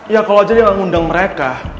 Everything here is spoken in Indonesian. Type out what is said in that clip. ya kalo aja dia gak ngundang mereka